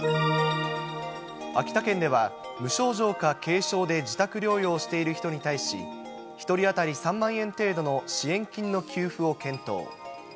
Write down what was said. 秋田県では無症状か軽症で自宅療養している人に対し、１人当たり３万円程度の支援金の給付を検討。